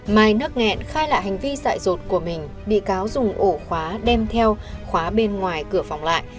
mai nước nghẹn khai lại hành vi sợi rột của mình bị cáo dùng ổ khóa đem theo khóa bên ngoài cửa phòng lại